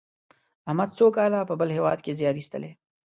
احمد څو کاله په بل هېواد کې زیار ایستلی.